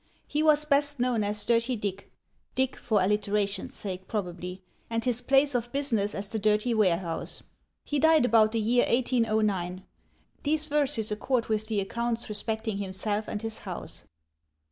He was best know as Dirty Dick (Dick, for alliteration's sake, probably), and his place of business as the Dirty Warehouse. He died about the year 1809. These verses accord with the accounts respecting himself and his house.